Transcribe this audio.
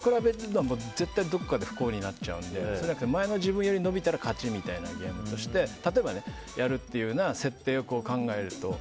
人と比べるのは絶対どこかで不幸になっちゃうのでそうじゃなくて前の自分より伸びたら勝ちみたいなゲームとしてやるというような設定を考えると。